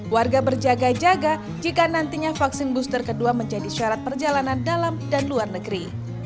warga berjaga jaga jika nantinya vaksin booster kedua menjadi syarat perjalanan dalam dan luar negeri